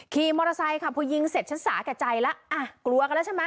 ขี่มอเตอร์ไซค์ค่ะพอยิงเสร็จฉันสาแก่ใจแล้วอ่ะกลัวกันแล้วใช่ไหม